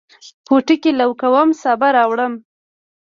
پټوکي لو کوم، سابه راوړمه